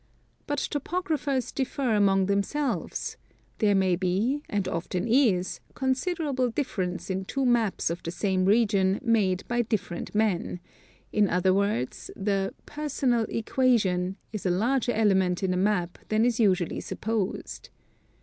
But topographers difl[er among themselves: there may be, and often is, considerable difference in two maps of the same region made by diffei'ent men; in other words, the "personal equation" is a larger element in a map than is usually supposed.